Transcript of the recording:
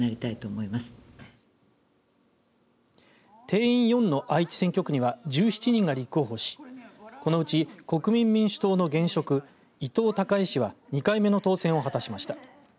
定員４の愛知選挙区には１７人が立候補しこのうち国民民主党の現職、伊藤孝恵氏は２回目の当選を果たしました。